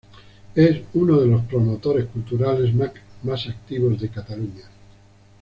Es uno del promotores culturales más activos de Cataluña.